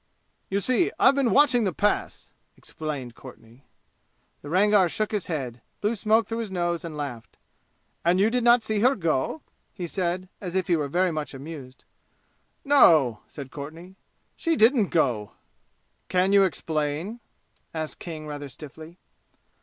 "You see, I've been watching the Pass," explained Courtenay. The Rangar shook his head, blew smoke through his nose and laughed. "And you did not see her go?" he said, as if he were very much amused. "No," said Courtenay. "She didn't go." "Can you explain?" asked King rather stiffly.